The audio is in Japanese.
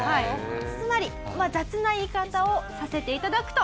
つまり雑な言い方をさせて頂くと。